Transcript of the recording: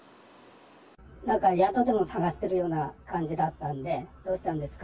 なんか宿でも探しているような感じだったんで、どうしたんですか？